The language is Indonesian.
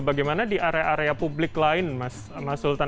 bagaimana di area area publik lain mas sultan